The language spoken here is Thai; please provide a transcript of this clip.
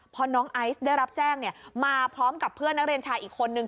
พอน้องไอซ์ได้รับแจ้งมาพร้อมกับเพื่อนนักเรียนชายอีกคนนึง